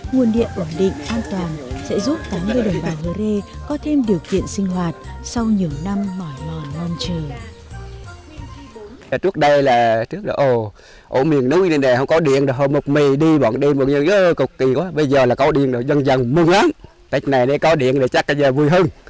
nguồn điện ổn định an toàn sẽ giúp các người đồng bà hứa rê có thêm điều kiện sinh hoạt sau nhiều năm mỏi mòn ngon trừ